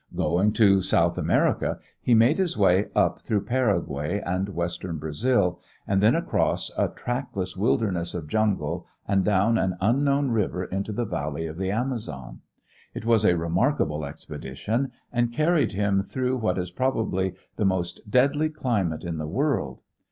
Going to South America, he made his way up through Paraguay and western Brazil, and then across a trackless wilderness of jungle and down an unknown river into the Valley of the Amazon. It was a remarkable expedition and carried him through what is probably the most deadly climate in the world.